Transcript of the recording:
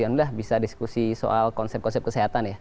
dan sudah bisa diskusi soal konsep konsep kesehatan ya